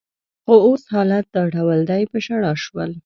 خو اوس حالت دا ډول دی، په ژړا شول.